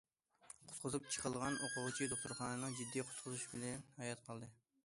قۇتقۇزۇپ چىقىلغان ئوقۇغۇچى دوختۇرخانىنىڭ جىددىي قۇتقۇزۇشى بىلەن ھايات قالدى.